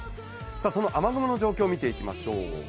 その雨雲の状況を見ていきましょう。